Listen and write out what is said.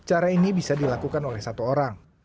cara ini bisa dilakukan oleh satu orang